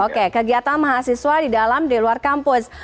oke kegiatan mahasiswa di dalam di luar kampus